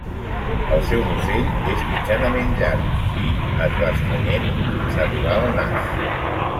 El seu musell és mitjanament llarg, fi, es va estrenyent fins a arribar al nas.